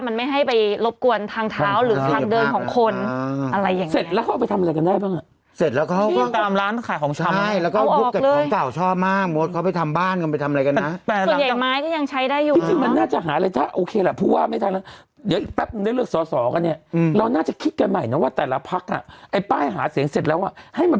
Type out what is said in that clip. แล้วสโรแกนแต่ละคนนี้แน่นอนจริงนะครับ